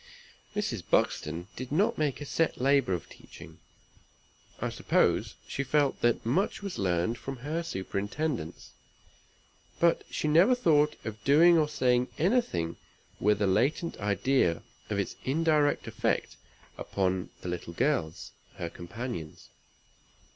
Mrs. Buxton did not make a set labor of teaching; I suppose she felt that much was learned from her superintendence, but she never thought of doing or saying anything with a latent idea of its indirect effect upon the little girls, her companions.